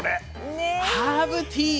ハーブティー。